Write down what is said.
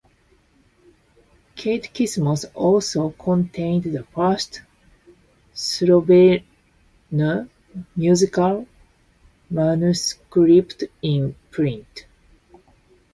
"Catechismus" also contained the first Slovene musical manuscript in print.